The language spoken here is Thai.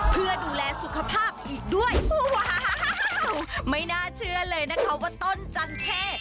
เพื่อดูแลสุขภาพอีกด้วยไม่น่าเชื่อเลยนะเขาว่าต้นจันทร์แทน